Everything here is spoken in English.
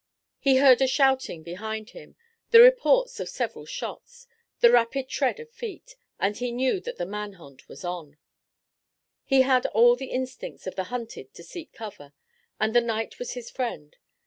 He heard a shouting behind him, the reports of several shots, the rapid tread of feet, and he knew that the man hunt was on. He had all the instincts of the hunted to seek cover, and the night was his friend.